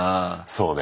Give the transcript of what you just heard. そうね。